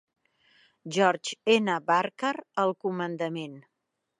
George N. Barker al comandament.